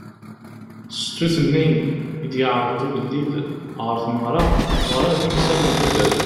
Stut-nni i d-yeɛreḍ ugelliḍ ɣer tmeɣra teɣra timsal n tudert.